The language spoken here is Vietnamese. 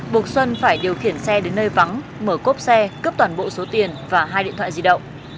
buộc xuân phải điều khiển xe đến nơi vắng mở cốp xe cướp toàn bộ số tiền và hai điện thoại di động